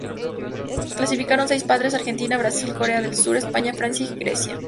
Clasificaron seis países: Argentina, Brasil, Corea del Sur, España, Francia y Grecia.